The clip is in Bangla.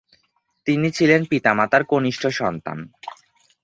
তিনি ছিলেন পিতামাতার কনিষ্ঠ সন্তান।